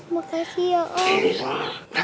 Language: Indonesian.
makasih ya om